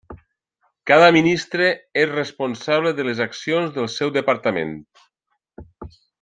Cada ministre és responsable de les accions del seu departament.